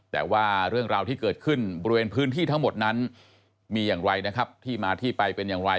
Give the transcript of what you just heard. แต่ว่าเรื่องราวที่เกิดขึ้นบริเวณพื้นที่ทั้งหมดนั้นมีอย่างไรนะครับที่มาที่ไปเป็นอย่างไร